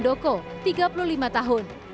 wahyu han doko tiga puluh lima tahun